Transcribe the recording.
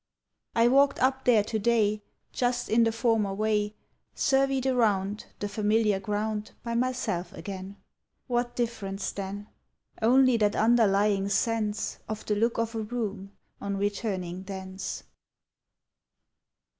I walked up there to day Just in the former way: Surveyed around The familiar ground By myself again: What difference, then? Only that underlying sense Of the look of a room on returning thence.